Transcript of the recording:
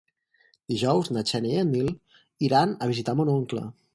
Dijous na Xènia i en Nil iran a visitar mon oncle.